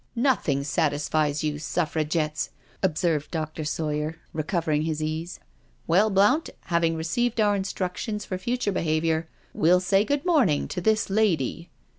" Nothing satisfies you Suffragettes," observed Dr. Sawyer, recovering his ease. " Well, Blount, having received our instructions for future behaviour, we'll say good morning to this lady."